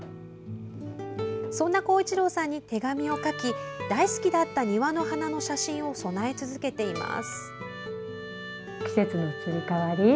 そんな光一郎さんに手紙を書き大好きだった庭の花の写真を供え続けています。